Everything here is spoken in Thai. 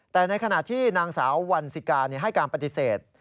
แต่ในขณะที่นางสาววันสิกาให้การปฏิเสธ